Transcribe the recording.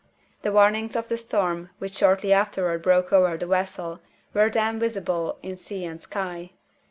The warnings of the storm which shortly afterward broke over the vessel were then visible in sea and sky.